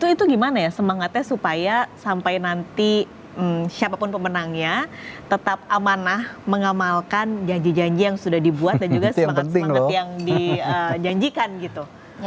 itu gimana ya semangatnya supaya sampai nanti siapapun pemenangnya tetap amanah mengamalkan janji janji yang sudah dibuat dan juga semangat semangat yang dijanjikan gitu